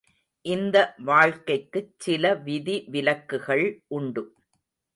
இந்த வாழ்க்கைக்குச் சில விதி விலக்குகள் உண்டு.